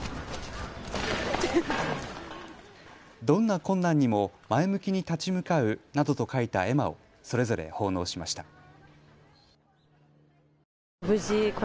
どんな困難にも前向きに立ち向かうなどと書いた絵馬をそれぞれ奉納しました。